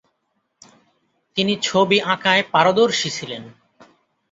তিনি ছবি আঁকায় পারদর্শী ছিলেন।